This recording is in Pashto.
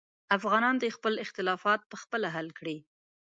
افغانان دې خپل اختلافات پخپله حل کړي.